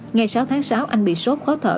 ngày sáu tháng sáu anh bị sốt khó thở